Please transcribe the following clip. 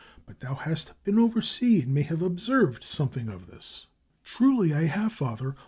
But thou hast been over sea, and may have observed something of this? " "Truly have I, father.